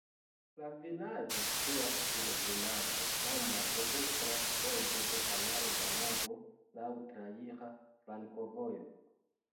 La vilaĝo situas sur ebenaĵo, laŭ maldekstra bordo de kanalo Danubo, laŭ traira flankovojo.